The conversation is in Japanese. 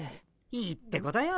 いいってことよ。